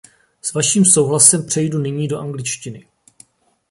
S vaším souhlasem přejdu nyní do angličtiny.